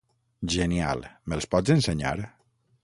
Genial, me'ls pots ensenyar?